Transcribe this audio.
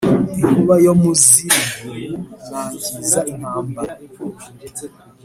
Inkuba yo mu z'i Ruguru nangiza intambara